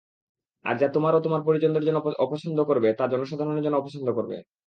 আর যা তোমার ও তোমার পরিজনের জন্য অপছন্দ করবে তা জনসাধারণের জন্য অপছন্দ করবে।